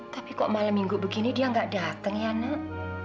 tapi kok malam minggu begini dia nggak datang ya nak